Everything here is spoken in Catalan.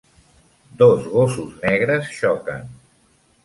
Dos gossos negres xoquen.